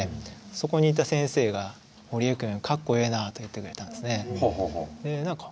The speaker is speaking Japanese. そこにいた先生が「堀江君かっこええなあ」と言ってくれたんですね。